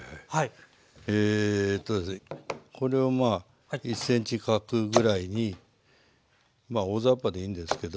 えこれを１ｃｍ角ぐらいにまあ大ざっぱでいいんですけど。